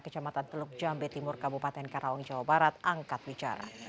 kecamatan teluk jambe timur kabupaten karawang jawa barat angkat bicara